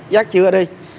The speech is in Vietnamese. giác chưa đi